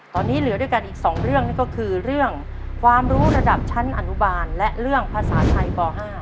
ตอนนี้เหลือด้วยกันอีก๒เรื่องนั่นก็คือเรื่องความรู้ระดับชั้นอนุบาลและเรื่องภาษาไทยป๕